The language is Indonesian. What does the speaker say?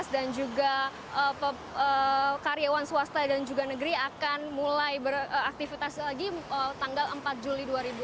dan juga karyawan swasta dan juga negeri akan mulai beraktifitas lagi tanggal empat juli dua ribu enam belas